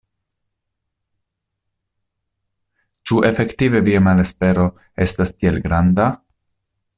Ĉu efektive via malespero estas tiel granda?